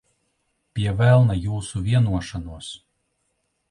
Pie velna jūsu vienošanos.